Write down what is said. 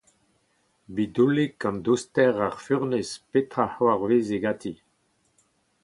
Bidoullig, an douster, ar furnez, petra a c’hoarveze ganti ?